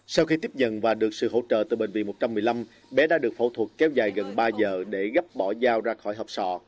sau khi tiếp nhận và được sự hỗ trợ từ bệnh viện một trăm một mươi năm bé đã được phẫu thuật kéo dài gần ba giờ để gấp bỏ dao ra khỏi hộp sọ